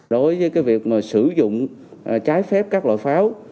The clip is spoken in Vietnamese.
đối với cái việc mà sử dụng trái phép các loại pháo